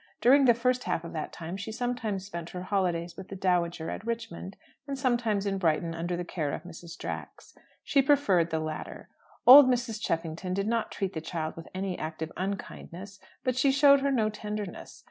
During the first half of that time she sometimes spent her holidays with the dowager at Richmond, and sometimes in Brighton under the care of Mrs. Drax. She preferred the latter. Old Mrs. Cheffington did not treat the child with any active unkindness; but she showed her no tenderness.